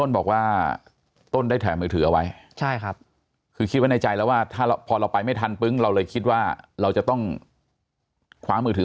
พอออกมาเขาก็ขึ้นจักรยานยนต์แล้วคิดว่าเราจะต้องคว้ามือถือ